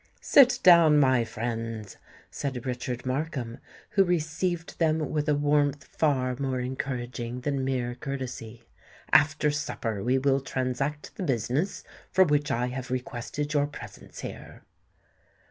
"Sit down, my friends," said Richard Markham, who received them with a warmth far more encouraging than mere courtesy: "after supper we will transact the business for which I have requested your presence here."